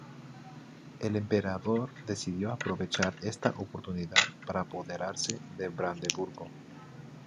El emperador decidió aprovechar esta oportunidad para apoderarse de Brandeburgo.